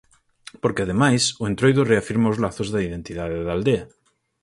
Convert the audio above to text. Porque, ademais, o Entroido reafirma os lazos da identidade da aldea.